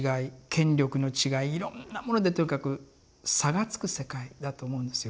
権力の違いいろんなものでとにかく差がつく世界だと思うんですよ。